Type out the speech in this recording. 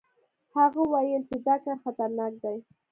هغه ویل چې دا کار خطرناک دی.